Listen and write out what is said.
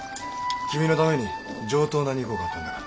君のために上等な肉を買ったんだから。